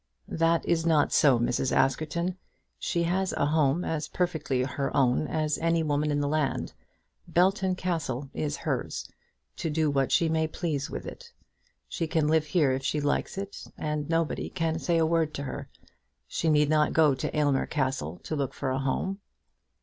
"That is not so, Mrs. Askerton. She has a home as perfectly her own as any woman in the land. Belton Castle is hers, to do what she may please with it. She can live here if she likes it, and nobody can say a word to her. She need not go to Aylmer Castle to look for a home."